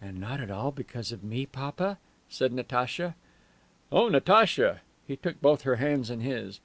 "And not at all because of me, papa?" said Natacha. "Oh, Natacha!" He took both her hands in his.